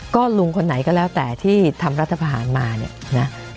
ก็ลุงคนไหนก็แล้วแต่ที่ทำรัฐพาหารมาเนี่ยนะ